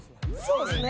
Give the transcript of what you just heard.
そうですね。